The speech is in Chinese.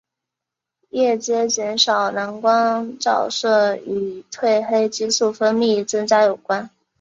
夜间减少蓝光照射与褪黑激素分泌增加有关。